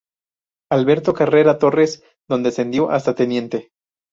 Alberto Carrera Torres, donde ascendió hasta teniente.